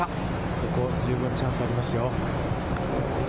ここは十分チャンスがありますよ。